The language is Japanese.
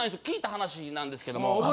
聞いた話なんですけども。